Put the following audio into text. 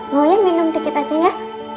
mau ya minum dikit aja ya